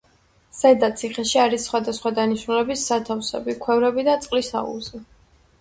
ზედა ციხეში არის სხვადასხვა დანიშნულების სათავსები, ქვევრები და წყლის აუზი.